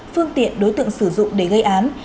phương tiện đối tượng sử dụng để gây án